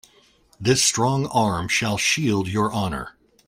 This strong arm shall shield your honor.